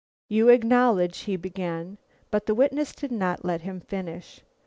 "You acknowledge," he began but the witness did not let him finish.